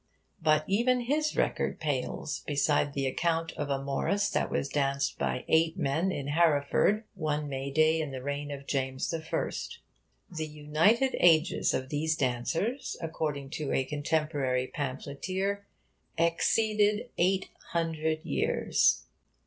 But even his record pales beside the account of a Morris that was danced by eight men, in Hereford, one May day in the reign of James I. The united ages of these dancers, according to a contemporary pamphleteer, exceeded eight hundred years.